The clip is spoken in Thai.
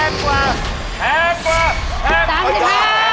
เจียวเลย